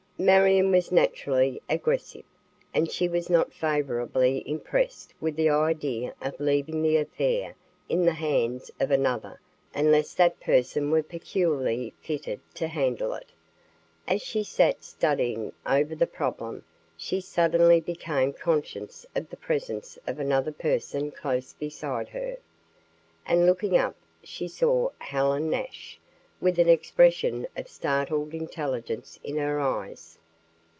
Marion was naturally aggressive, and she was not favorably impressed with the idea of leaving the affair in the hands of another unless that person were peculiarly fitted to handle it. As she sat studying over the problem she suddenly became conscious of the presence of another person close beside her, and looking up she saw Helen Nash, with an expression of startled intelligence in her eyes.